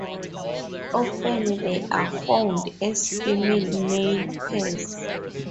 Often they are found as female-male pairs.